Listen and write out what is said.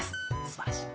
すばらしい。